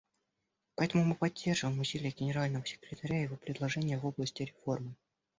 Поэтому мы поддерживаем усилия Генерального секретаря и его предложения в области реформы.